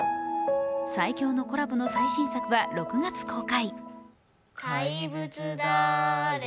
最強のコラボの最新作は６月公開。